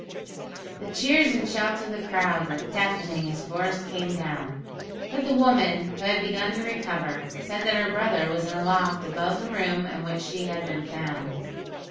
The cheers and shouts of the crowd were deafening as Forest came down; but the woman, who had begun to recover, said that her brother was in a loft above the room in which she had been found.